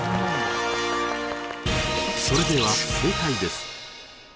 それでは正解です。